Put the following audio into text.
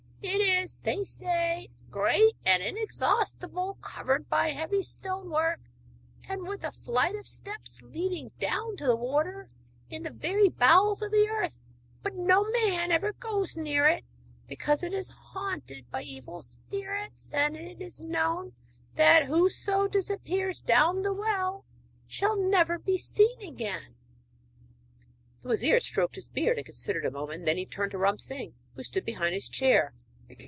It is, they say, great and inexhaustible, covered in by heavy stone work and with a flight of steps leading down to the water in the very bowels of the earth; but no man ever goes near it because it is haunted by evil spirits, and it is known that whoso disappears down the well shall never be seen again.' The wazir stroked his beard and considered a moment. Then he turned to Ram Singh who stood behind his chair.